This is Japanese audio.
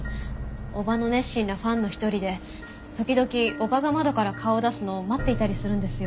叔母の熱心なファンの一人で時々叔母が窓から顔を出すのを待っていたりするんですよ。